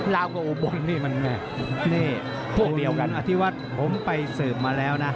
ลาวกับอุบลนี่มันไงนี่พวกเดียวกันอธิวัฒน์ผมไปสืบมาแล้วนะ